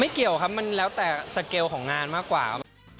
เกี่ยวครับมันแล้วแต่สเกลของงานมากกว่าครับ